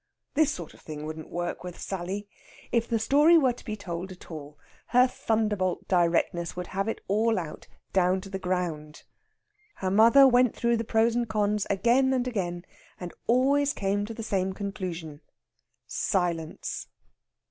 This sort of thing wouldn't work with Sally. If the story were to be told at all, her thunderbolt directness would have it all out, down to the ground. Her mother went through the pros and cons again and again, and always came to the same conclusion silence.